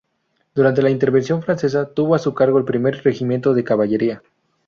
Durante la intervención francesa tuvo a su cargo el primer regimiento de caballería.